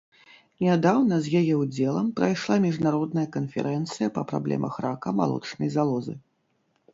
Нядаўна з яе ўдзелам прайшла міжнародная канферэнцыя па праблемах рака малочнай залозы.